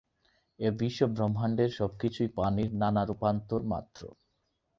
এ-বিশ্বব্রহ্মাণ্ডের সবকিছুই পানির নানা রূপান্তর মাত্র।